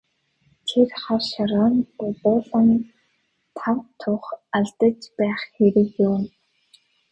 Энд хар шороонд булуулан тав тух алдаж байх хэрэг юун.